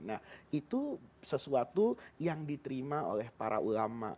nah itu sesuatu yang diterima oleh para ulama